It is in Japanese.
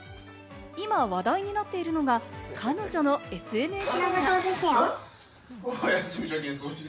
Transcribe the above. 今、話題になっているのが彼女のＳＮＳ。